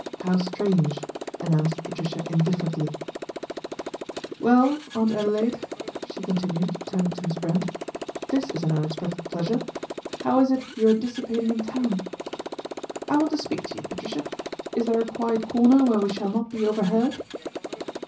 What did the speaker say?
" How strange," announced Patricia in differently. " Well, Aunt Adelaide," she con INTERVENTION OF AUNT ADELAIDE 79 tinued, turning to Miss Brent, " this is an un expected pleasure. How is it you are dissipating in town ?"" I want to speak to you, Patricia. Is there a quiet corner where we shall not be overheard